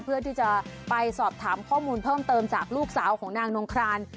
เพื่อที่จะไปสอบถามข้อมูลเพิ่มเติมจากลูกสาวของนางนงคราน